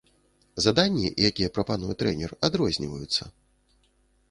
Заданні, якія прапануе трэнер, адрозніваюцца.